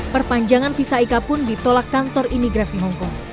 perpanjangan visa ika pun ditolak kantor imigrasi hongkong